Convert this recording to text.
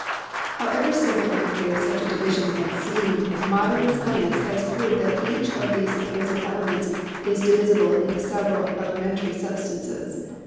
However simple and clear such a division might seem, modern science has proved that each of these sup posed elements is divisible into several elementary sub stances.